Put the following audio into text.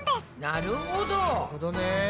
なるほどね。